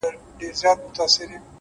صبر د بېړې تېروتنې کموي’